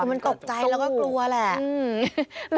มันตกใจแล้วก็กลัวแหละ